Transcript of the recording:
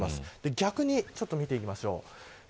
逆にちょっと見ていきましょう。